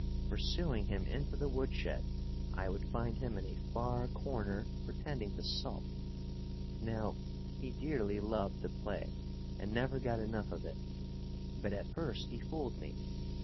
Pursuing him into the woodshed, I would find him in a far corner, pretending to sulk. Now, he dearly loved the play, and never got enough of it. But at first he fooled me.